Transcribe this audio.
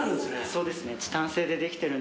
そうですね。